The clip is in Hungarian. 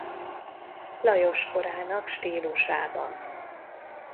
Lajos korának stílusában.